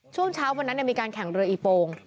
ช่วงเช้าวันนั้นมีการแข่งเรืออีโปง